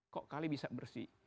kok kali bisa bersih